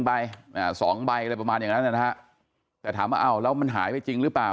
๑ใบ๒ใบประมาณอย่างนั้นแต่ถามว่าเอ้าแล้วมันหายไปจริงหรือเปล่า